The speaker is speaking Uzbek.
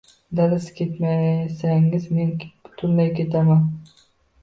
Dada siz ketmasangiz men butunlay ketaman